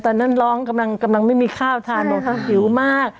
ตอนนั้นร้องกำลังไม่มีข้าวทานบอกหิวมาก